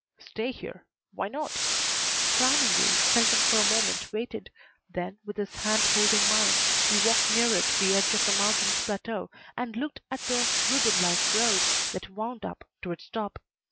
"Stay here. Why not?" Frowningly, Selwyn for a moment waited, then, with his hand holding mine, we walked nearer the edge of the mountain's plateau and looked at the ribbon like road that wound up to its top.